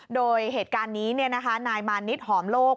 โดยเหตุการณ์นี้นะคะนายมารนิษฐ์หอมโลก